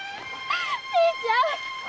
兄ちゃん！